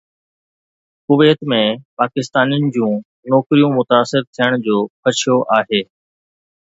ڪويت ۾ پاڪستانين جون نوڪريون متاثر ٿيڻ جو خدشو آهي